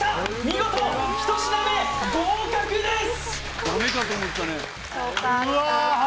見事１品目合格です！